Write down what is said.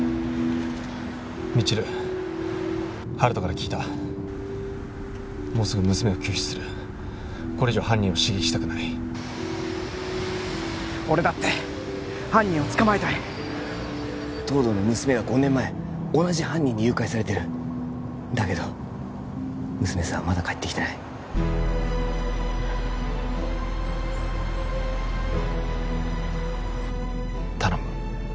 未知留温人から聞いたもうすぐ娘を救出するこれ以上犯人を刺激したくない俺だって犯人を捕まえたい東堂の娘は５年前同じ犯人に誘拐されてるだけど娘さんはまだ帰ってきてない頼む